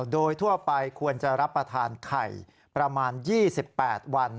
โดยทั่วไปควรจะรับประทานไข่ประมาณ๒๘วัน